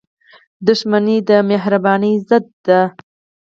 • دښمني د مهربانۍ ضد ده.